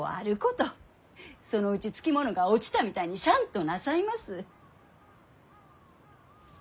そのうちつきものが落ちたみたいにシャンとなさいます。